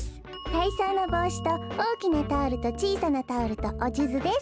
たいそうのぼうしとおおきなタオルとちいさなタオルとおじゅずです。